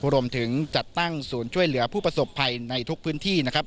รวมถึงจัดตั้งศูนย์ช่วยเหลือผู้ประสบภัยในทุกพื้นที่นะครับ